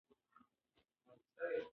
ده یو ډېر پټ غږ اورېدلی و.